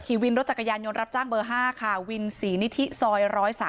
วินรถจักรยานยนต์รับจ้างเบอร์๕ค่ะวินศรีนิธิซอย๑๐๓